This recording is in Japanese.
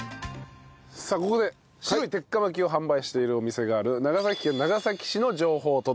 さあここで白い鉄火巻きを販売しているお店がある長崎県長崎市の情報届いておりますよ。